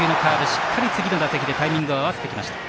しっかり次の打席でタイミングを合わせてきました。